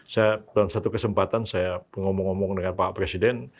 saya dalam satu kesempatan saya ngomong ngomong dengan pak presiden